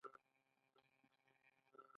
دښمن تل د فرصت په لټه کې وي